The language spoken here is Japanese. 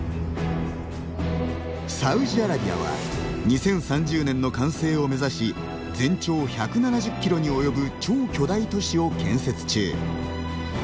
サウジアラビアは２０３０年の完成を目指し全長１７０キロに及ぶ超巨大都市を建設中。